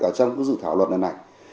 ở trong cái dự thảo luật này này